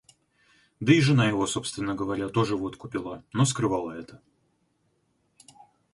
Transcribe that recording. Да и жена его, собственно говоря, тоже водку пила, но скрывала это.